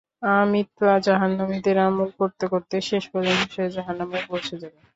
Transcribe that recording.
আমৃত্যু জাহান্নামীদের আমল করতে করতেই শেষ পর্যন্ত সে জাহান্নামে পৌঁছে যাবে।